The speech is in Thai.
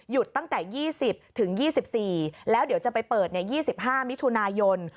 ตั้งแต่๒๐ถึง๒๔แล้วเดี๋ยวจะไปเปิด๒๕มิถุนายน